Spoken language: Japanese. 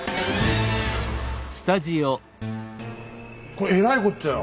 これえらいこっちゃよ。